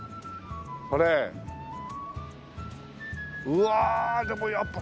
うわあでもやっぱり。